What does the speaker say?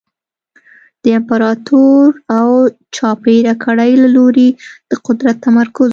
د امپراتور او چاپېره کړۍ له لوري د قدرت تمرکز و